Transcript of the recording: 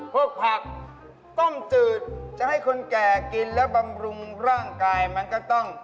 พวกผักต้มจืดจะให้คนแก่กินและบำรุงร่างกายมันก็ต้อง